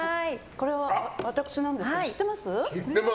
これは私なんですけど知ってます？